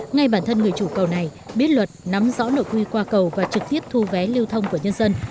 ngay bản thân người chủ cầu này biết luật nắm rõ nội quy qua cầu và trực tiếp thu vé lưu thông của nhân dân